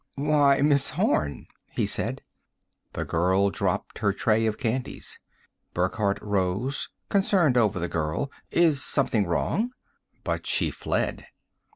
"Why, Miss Horn!" he said. The girl dropped her tray of candies. Burckhardt rose, concerned over the girl. "Is something wrong?" But she fled.